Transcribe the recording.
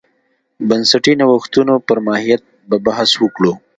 بنسټي نوښتونو پر ماهیت به بحث وکړو.